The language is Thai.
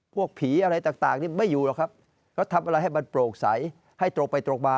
พวกผีอะไรต่างนี่ไม่อยู่หรอกครับเขาทำอะไรให้มันโปร่งใสให้ตรงไปตรงมา